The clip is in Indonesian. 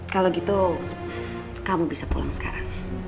kalau gitu kamu bisa pulang sekarang